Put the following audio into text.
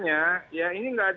yang yang saya ingin mengatakan